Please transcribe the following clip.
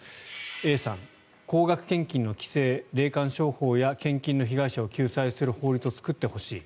Ａさん、高額献金の規制霊感商法や献金の被害者を救済する法律を作ってほしい。